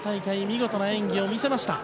見事な演技を見せました。